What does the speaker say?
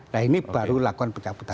nah ini baru lakukan pencabutan